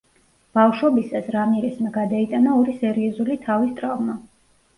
ბავშვობისას, რამირესმა გადაიტანა ორი სერიოზული თავის ტრავმა.